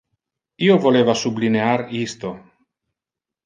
Io voleva sublinear isto.